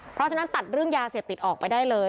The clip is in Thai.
เพราะฉะนั้นตัดเรื่องยาเสพติดออกไปได้เลย